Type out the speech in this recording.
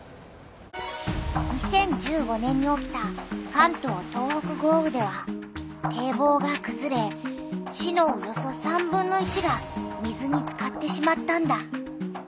２０１５年に起きた関東・東北豪雨では堤防がくずれ市のおよそ３分の１が水につかってしまったんだ。